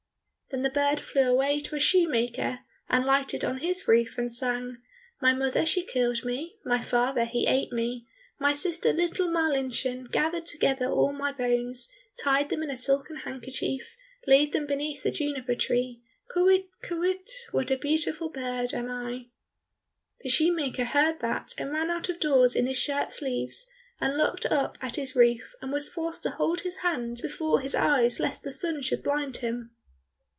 Then the bird flew away to a shoemaker, and lighted on his roof and sang, "My mother she killed me, My father he ate me, My sister, little Marlinchen, Gathered together all my bones, Tied them in a silken handkerchief, Laid them beneath the juniper tree, Kywitt, kywitt, what a beautiful bird am I!" The shoemaker heard that and ran out of doors in his shirt sleeves, and looked up at his roof, and was forced to hold his hand before his eyes lest the sun should blind him.